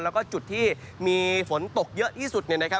แล้วก็จุดที่มีฝนตกเยอะที่สุดเนี่ยนะครับ